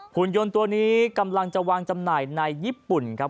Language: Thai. หุ่นยนต์ตัวนี้กำลังจะวางจำหน่ายในญี่ปุ่นครับ